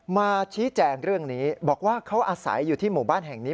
มาชี้แจงเรื่องนี้บอกว่าเขาอาศัยอยู่ที่หมู่บ้านแห่งนี้